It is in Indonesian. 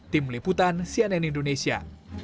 tim liputan cnn indonesia